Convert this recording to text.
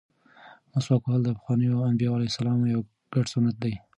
مسواک وهل د پخوانیو انبیاوو علیهم السلام یو ګډ سنت دی.